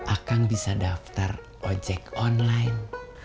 akang bisa daftar ojek online